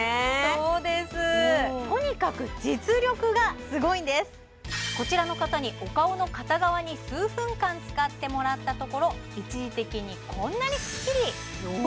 そうですとにかく実力がすごいんですこちらの方にお顔の片側に数分間使ってもらったところ一時的にこんなにスッキリおお！